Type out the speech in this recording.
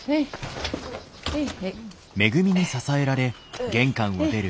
はい。